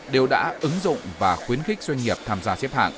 đều đã ứng dụng và khuyến khích doanh nghiệp tham gia xếp hạng